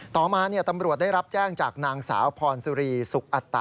ต่อมาตำรวจได้รับแจ้งจากนางสาวพรสุรีสุขอัตตะ